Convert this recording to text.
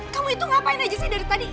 kamu itu ngapain aja saja dari tadi